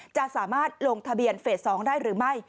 จะสามารถลงทะเบียนเฟส๒ได้หรือไม่